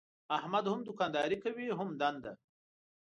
احمد هم دوکانداري کوي هم دنده.